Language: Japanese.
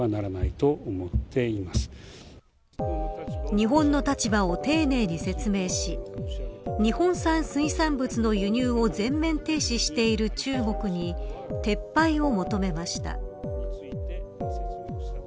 日本の立場を丁寧に説明し日本産水産物の輸入を全面停止している中国に撤廃を求めました。